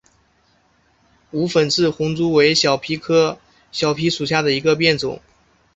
无粉刺红珠为小檗科小檗属下的一个变种。